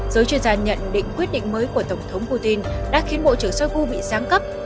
giới chuyên gia nhận định quyết định mới của tổng thống putin đã khiến bộ trưởng shoigu bị sáng cấp